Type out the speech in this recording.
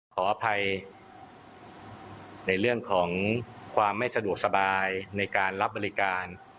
ขออภัยในเรื่องของความไม่สะดวกสบายในการรับบริการ